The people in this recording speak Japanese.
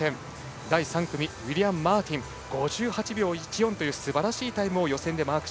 第３組、ウィリアム・マーティン５８秒１４というすばらしいタイムを予選でマーク。